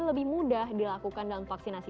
lebih mudah dilakukan dalam vaksinasi